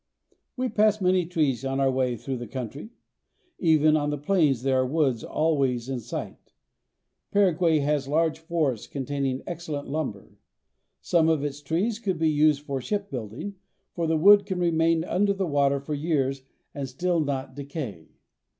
We pass many trees on our way through the country. Even on the plains there are woods always in sight. Paraguay has large forests containing excellent lumber. Some of its trees could be used for shipbuilding, for the wood can remain under the water for years and still not decay.